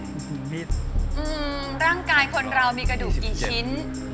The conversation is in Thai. อืมร่างกายคนเรามีกระดูกกี่ชิ้น